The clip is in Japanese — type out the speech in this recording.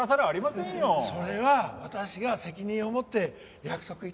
それは私が責任を持って約束致します。